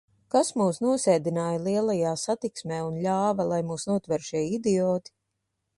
Kas mūs nosēdināja lielajā satiksmē un ļāva, lai mūs notver šie idioti?